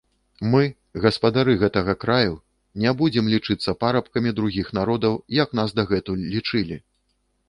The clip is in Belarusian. Мы, гаспадары гэтага краю, не будзем лічыцца парабкамі другіх народаў, як нас дагэтуль лічылі.